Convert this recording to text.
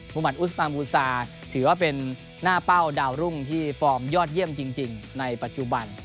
มุมัติอุสปานบูซาถือว่าเป็นหน้าเป้าดาวรุ่งที่ฟอร์มยอดเยี่ยมจริงในปัจจุบัน